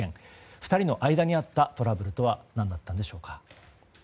２人の間にあったトラブルとは何だったのでしょうか。